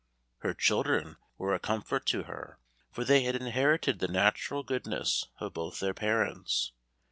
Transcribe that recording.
Her children were a comfort to her, for they had inherited the natural goodness of both their parents.